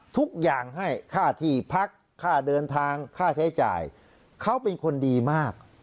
ทุกอย่างให้ค่าที่พักค่าเดินทางค่าใช้จ่ายเขาเป็นคนดีมาก